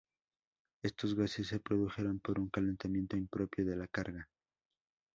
Estos gases se produjeron por un calentamiento impropio de la carga.